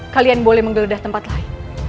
kalian boleh menggeledah tempat lain